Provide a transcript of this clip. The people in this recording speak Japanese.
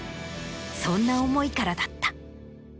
そんな思いからだった。